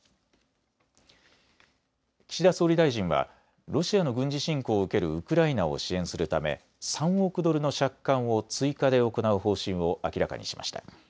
岸田総理大臣はロシアの軍事侵攻を受けるウクライナを支援するため３億ドルの借款を追加で行う方針を明らかにしました。